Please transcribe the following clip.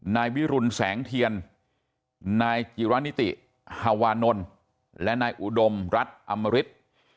นายวิรุณแสงเทียนนายจิรณิติฮาวานนท์และนายอุดมรัฐอำมริต